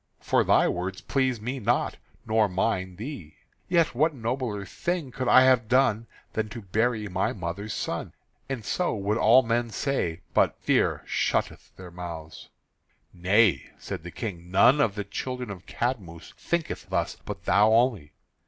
For thy words please me not nor mine thee. Yet what nobler thing could I have done than to bury my mother's son? And so would all men say but fear shutteth their mouths." "Nay," said the King, "none of the children of Cadmus thinketh thus, but thou only.